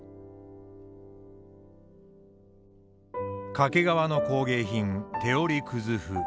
掛川の工芸品手織葛布。